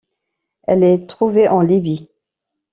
Elle est trouvée en Libye.